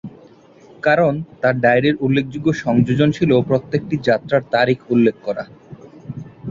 কারণ তাঁর ডায়রির উল্লেখযোগ্য সংযোজন ছিল প্রত্যেকটি যাত্রার তারিখ উল্লেখ করা।